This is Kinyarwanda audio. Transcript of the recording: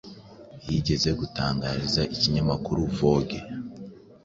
yigeze gutangariza ikinyamakuru Vogue